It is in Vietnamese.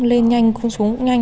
lên nhanh không xuống nhanh